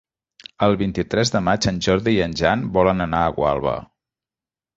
El vint-i-tres de maig en Jordi i en Jan volen anar a Gualba.